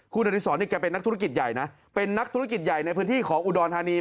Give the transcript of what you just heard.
คุณอดีศรเนี่ยแกเป็นนักธุรกิจใหญ่นะเป็นนักธุรกิจใหญ่ในพื้นที่ของอุดรธานี